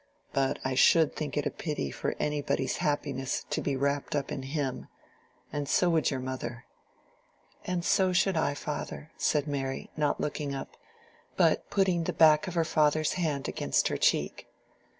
But I should think it a pity for any body's happiness to be wrapped up in him, and so would your mother." "And so should I, father," said Mary, not looking up, but putting the back of her father's hand against her cheek.